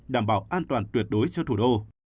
đảm bảo an toàn tuyệt đối cho thủ đô